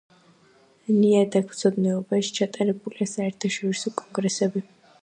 ნიადაგთმცოდნეობაში ჩატარებულია საერთაშორისო კონგრესები.